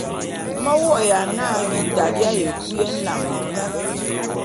Me vô'ôya na bita bi aye kui nlame wu.